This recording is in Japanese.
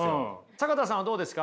坂田さんはどうですか？